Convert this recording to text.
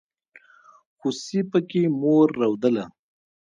خوسي پکې مور رودله.